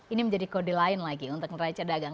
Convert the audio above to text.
ini menjadi kode lain lagi untuk neraca dagang